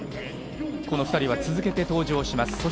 この２人は続けて登場します。